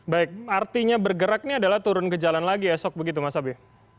baik artinya bergerak ini adalah turun ke jalan lagi esok begitu mas abe